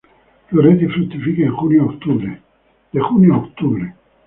Florece y fructifica de junio a octubre.